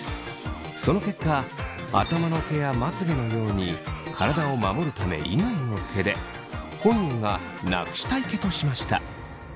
その結果頭の毛やまつげのように体を守るため以外の毛で本人がなくしたい毛としました。